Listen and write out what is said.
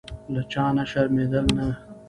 له چا نه شرمېدل نه.